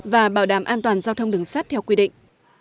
và bảo đảm an toàn giao thông đường sắt theo quy định